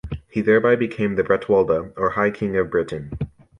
He thereby became the Bretwalda, or high king of Britain.